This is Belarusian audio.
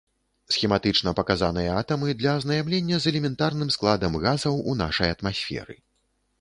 Схематычна паказаныя атамы для азнаямлення з элементарным складам газаў у нашай атмасферы.